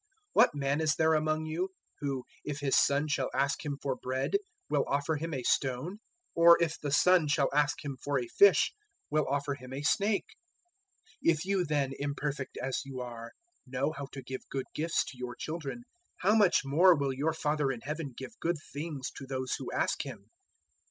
007:009 What man is there among you, who if his son shall ask him for bread will offer him a stone? 007:010 Or if the son shall ask him for a fish will offer him a snake? 007:011 If you then, imperfect as you are, know how to give good gifts to your children, how much more will your Father in Heaven give good things to those who ask Him!